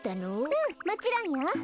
うんもちろんよ。